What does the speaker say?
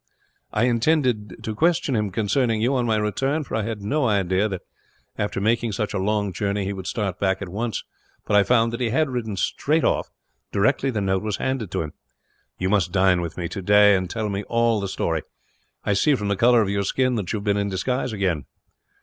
I intended to question him concerning you, on my return; for I had no idea that, after making such a long journey, he would start back at once, but I found that he had ridden straight off, directly the note was handed to him. You must dine with me, today, and tell me all the story. I see, from the colour of your skin, that you have been in disguise again."